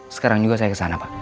sekarang juga saya kesana pak